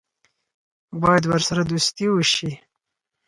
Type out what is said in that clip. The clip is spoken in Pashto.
باید ورسره دوستي وشي.